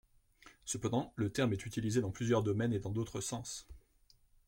Cependant, le terme est utilisé dans plusieurs domaine et dans d'autres sens.